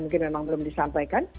mungkin memang belum disampaikan